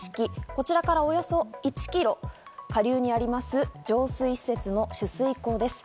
こちらから、およそ１キロ下流にあります浄水施設の取水口です。